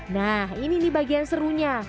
nah ini nih bagian serunya